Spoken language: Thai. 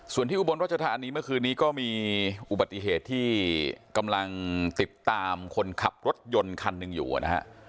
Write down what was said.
ส่วนที่อุบลรัชธานีเมื่อคืนนี้ก็มีอุบัติเหตุที่กำลังติดตามคนขับรถยนต์คันหนึ่งอยู่นะฮะ